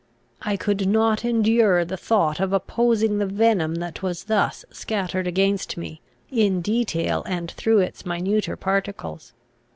I could not endure the thought of opposing the venom that was thus scattered against me, in detail and through its minuter particles.